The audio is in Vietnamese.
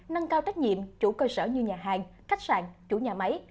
nâng cao trách nhiệm chủ cơ sở như nhà hàng khách sạn chủ nhà máy